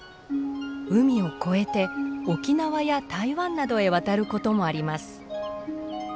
海を越えて沖縄や台湾などへ渡ることもあります。